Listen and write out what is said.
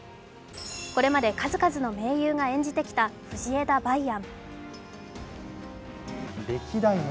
これまで、数々の名優が演じてきた藤枝梅安。